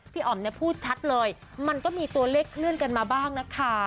อ๋อมเนี่ยพูดชัดเลยมันก็มีตัวเลขเคลื่อนกันมาบ้างนะคะ